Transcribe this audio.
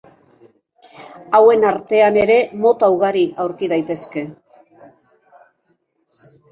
Hauen artean ere mota ugari aurki daitezke.